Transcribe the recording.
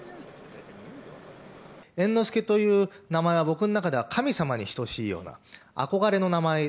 猿之助という名前は、僕の中では神様に等しいような、憧れの名前。